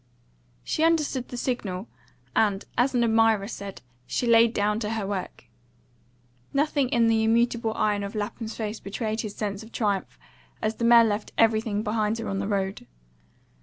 She understood the signal, and, as an admirer said, "she laid down to her work." Nothing in the immutable iron of Lapham's face betrayed his sense of triumph as the mare left everything behind her on the road.